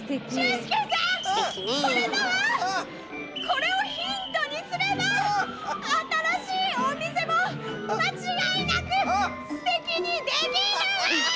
これをヒントにすれば新しいお店も間違いなくステキにできるわあ！